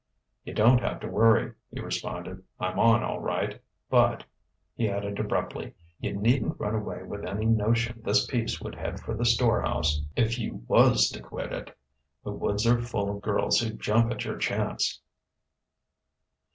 "You don't have to worry," he responded. "I'm on all right.... But," he added abruptly, "you needn't run away with any notion this piece would head for the storehouse if you was to quit it. The woods are full of girls who'd jump at your chance."